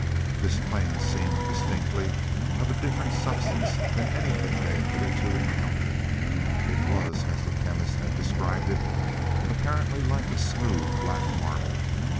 This plane seemed distinctly of a different substance than anything they had hitherto encountered. It was, as the Chemist had described it, apparently like a smooth black marble.